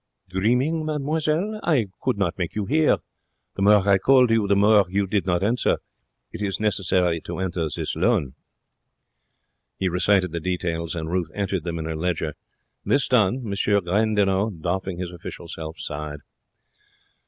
'Dreaming, mademoiselle? I could not make you hear. The more I call to you, the more you did not answer. It is necessary to enter this loan.' He recited the details and Ruth entered them in her ledger. This done, M. Gandinot, doffing his official self, sighed.